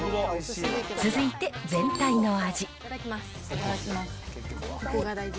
続いて全体の味。